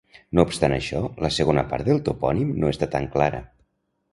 No obstant això, la segona part del topònim no està tan clara.